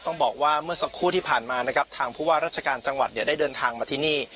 ต้องบอกว่าเมื่อสักครู่ที่ผ่านมานะครับทางผู้ว่าราชการจังหวัดเนี่ยได้เดินทางมาที่นี่